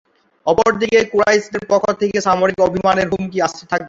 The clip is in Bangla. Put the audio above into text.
অপরদিকে কুরাইশদের পক্ষ থেকে সামরিক অভিযানের হুমকি আসতে থাকে।